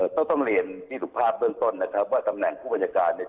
ต้องเรียนพี่สุภาพเบื้องต้นนะครับว่าตำแหน่งผู้บัญชาการเนี่ย